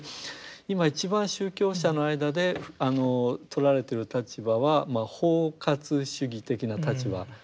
今一番宗教者の間でとられてる立場は包括主義的な立場。